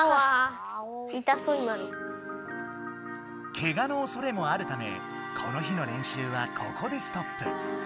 けがのおそれもあるためこの日の練習はここでストップ。